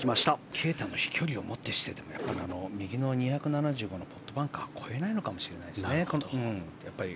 啓太の飛距離をもってしても右の２７０のポットバンカーは越えないのかもしれないですね。